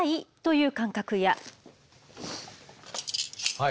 はい。